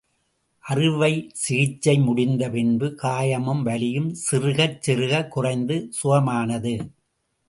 அறுவைச்சிகிச்சை முடிந்த பின்பு, காயமும் வலியும் சிறுகச் சிறுகக் குறைந்து சுகமானது.